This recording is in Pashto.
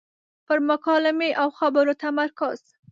پر مکالمې او خبرو تمرکز.